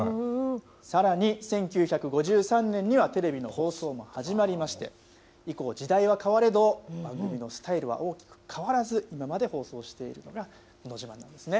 さらに１９５３年にはテレビの放送も始まりまして、以降、時代は変われど、番組のスタイルは大きく変わらず、今まで放送しているのがのど自慢なんですね。